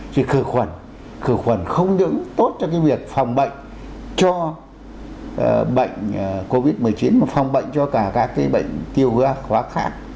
thì khử khuẩn khử khuẩn không đứng tốt cho cái việc phòng bệnh cho bệnh covid một mươi chín mà phòng bệnh cho cả các cái bệnh tiêu hóa khác